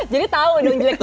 jadi tahu dong jeleknya